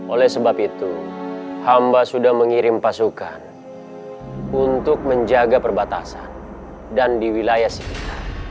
oleh sebab itu hamba sudah mengirim pasukan untuk menjaga perbatasan dan di wilayah sekitar